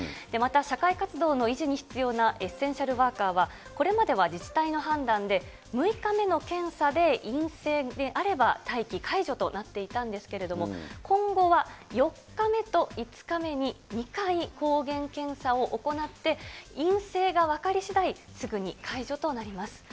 また社会活動の維持に必要なエッセンシャルワーカーは、これまでは自治体の判断で、６日目の検査で陰性であれば待機解除となっていたんですけれども、今後は４日目と５日目に２回抗原検査を行って、陰性が分かりしだい、すぐに解除となります。